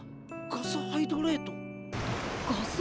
ガスハイドレート？